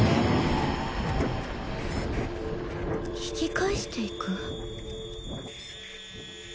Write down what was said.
引き返していく？